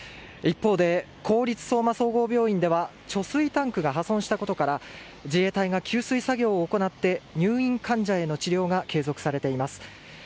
一方で公立相馬総合病院では貯水タンクが破損したことから自衛隊が給水作業を行って入院患者への治療が継続されています。